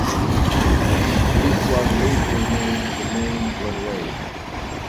This was later made the main runway.